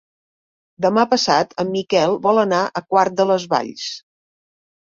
Demà passat en Miquel vol anar a Quart de les Valls.